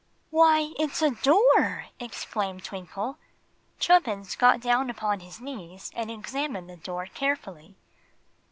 "Why, it's a door!" exclaimed Twinkle. Chubbins got down upon his knees and examined the door carefully.